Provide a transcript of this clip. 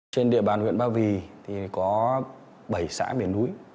trên địa bàn huyện ba vì thì có bảy xã biển núi